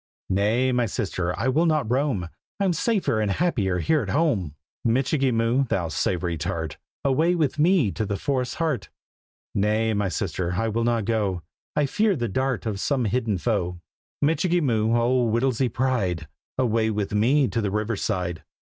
"Nay, my sister, I will not roam; I'm safer and happier here at home," "Michikee Moo, thou Savoury Tart, Away with me to the forest's heart!" "Nay, my sister, I will not go; I fear the dart of some hidden foe." "Michikee Moo, old Whittlesy's pride, Away with me to the river side!"